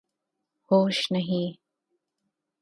ہوش نہیں